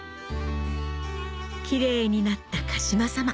キレイになった鹿島様